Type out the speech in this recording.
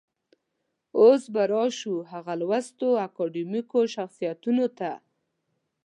اوس به راشو هغه لوستو اکاډمیکو شخصيتونو ته.